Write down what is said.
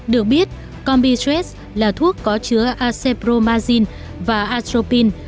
được biết combi stress là thuốc có chứa acepromazine và atropine